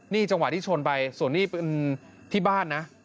นี่จังหวะที่ชนไปส่วนนี้เป็นที่บ้านนะ